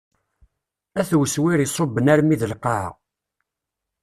At weswir iṣubben armi d lqaɛa.